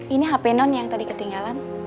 ini hp non yang tadi ketinggalan